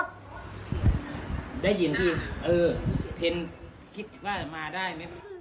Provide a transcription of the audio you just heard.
ได้ยินที่เออเพนคิดว่ามาได้ไหม